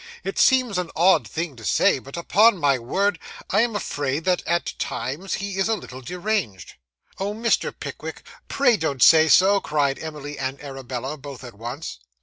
'It seems an odd thing to say, but upon my word I am afraid that, at times, he is a little deranged.' 'Oh! Mr. Pickwick, pray don't say so,' cried Emily and Arabella, both at once.